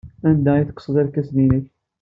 Anda ay tekkseḍ irkasen-nnek?